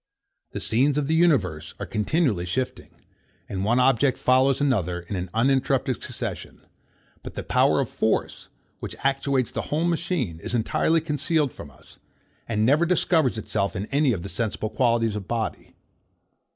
The scenes of the universe are continually shifting, and one object follows another in an uninterrupted succession; but the power of force, which actuates the whole machine, is entirely concealed from us, and never discovers itself in any of the sensible qualities of body.